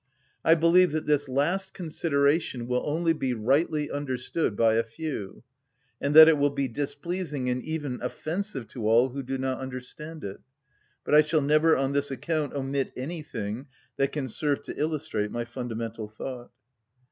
I believe that this last consideration will only be rightly understood by a few, and that it will be displeasing and even offensive to all who do not understand it, but I shall never on this account omit anything that can serve to illustrate my fundamental thought.